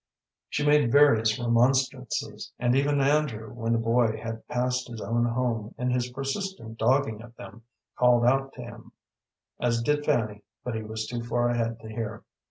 She made various remonstrances, and even Andrew, when the boy had passed his own home in his persistent dogging of them, called out to him, as did Fanny, but he was too far ahead to hear.